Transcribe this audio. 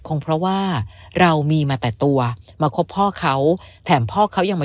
คงเพราะว่าเรามีมาแต่ตัวมาคบพ่อเขาแถมพ่อเขายังมา